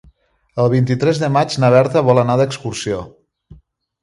El vint-i-tres de maig na Berta vol anar d'excursió.